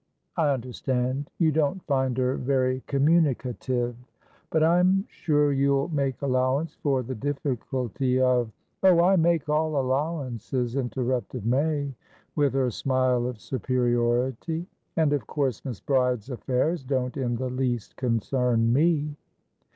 I understand. You don't find her very communicative. But I'm sure you'll make allowance for the difficulty of" "Oh, I make all allowances," interrupted May, with her smile of superiority. "And of course Miss Bride's affairs don't in the least concern me."